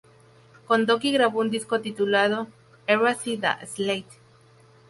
Con Dokken grabó un disco titulado "Erase The Slate".